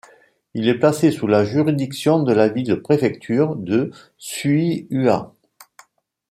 Il est placé sous la juridiction de la ville-préfecture de Suihua.